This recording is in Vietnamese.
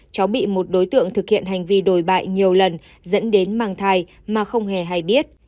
cháu bị một đối tượng thực hiện hành vi đồi bại nhiều lần dẫn đến mang thai mà không hề hay biết